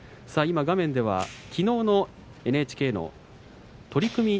画面にはきのうのＮＨＫの取組